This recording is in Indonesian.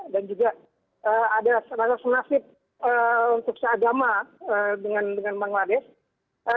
dan juga ada serangga senasib untuk seagama dengan bangladesh